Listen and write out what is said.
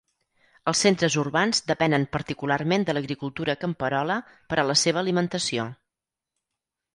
Els centres urbans depenen particularment de l'agricultura camperola per a la seva alimentació.